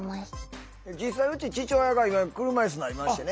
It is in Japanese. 実際うち父親が今車いすになりましてね。